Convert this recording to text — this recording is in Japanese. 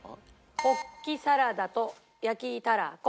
ホッキサラダと焼きたらこ。